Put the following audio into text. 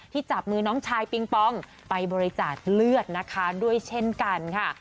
จับมือน้องชายปิงปองไปบริจาคเลือดนะคะด้วยเช่นกันค่ะ